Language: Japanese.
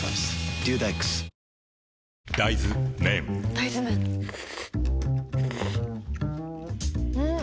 大豆麺ん？